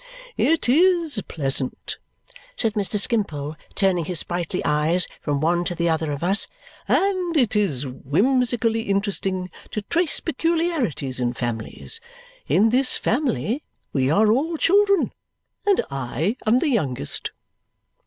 "It is pleasant," said Mr. Skimpole, turning his sprightly eyes from one to the other of us, "and it is whimsically interesting to trace peculiarities in families. In this family we are all children, and I am the youngest."